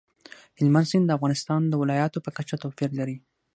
هلمند سیند د افغانستان د ولایاتو په کچه توپیر لري.